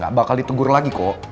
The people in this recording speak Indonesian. gak bakal ditegur lagi kok